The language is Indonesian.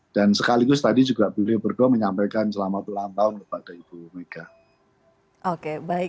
dan sekaligus tadi juga beliau berdua menyampaikan selamat ulang tahun kepada ibu megawati soekarno putri